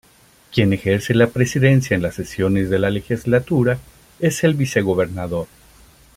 Quien ejerce la presidencia en las sesiones de la legislatura es el Vicegobernador.